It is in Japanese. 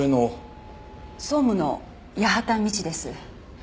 総務の八幡未知です。